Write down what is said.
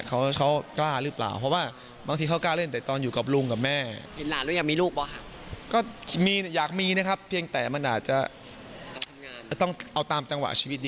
เผื่อพี่จะได้ไปงานฝูงแขนหลาน